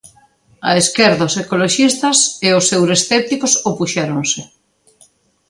A esquerda, os ecoloxistas e os euroescépticos opuxéronse.